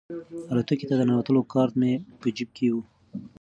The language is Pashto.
الوتکې ته د ننوتلو کارت مې په جیب کې و.